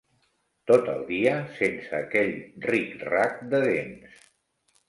Tot el dia sents aquell ric-rac de dents.